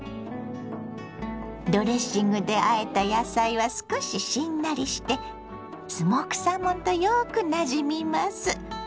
ドレッシングであえた野菜は少ししんなりしてスモークサーモンとよくなじみます。